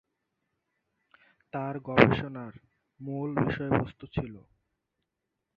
তার গবেষণার মুল বিষয়বস্তু ছিল।